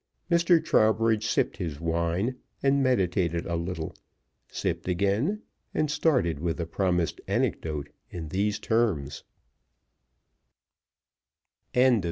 Mr. Trowbridge sipped his wine meditated a little sipped again and started with the promised anecdote in these terms: CHAPTER II.